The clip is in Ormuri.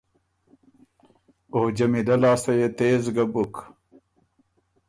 او جمیلۀ لاسته يې تېز ګۀ بُک۔